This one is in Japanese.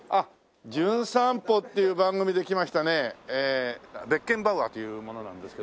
『じゅん散歩』っていう番組で来ましたねベッケンバウアーという者なんですけど。